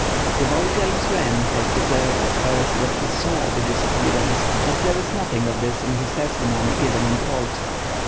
The boy James Wren had declared at first that he saw the disappearance, but there is nothing of this in his testimony given in court.